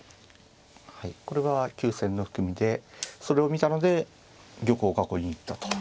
はいこれは急戦の含みでそれを見たので玉を囲いに行ったと。